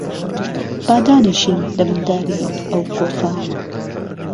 با دانیشین له بن داری ئهو قۆخه